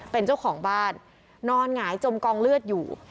เป็นเจ้าของบ้านนอนหงายจมกองเลือดอยู่